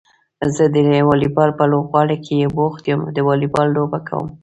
زه د واليبال په لوبغالي کې بوخت يم د واليبال لوبه کوم.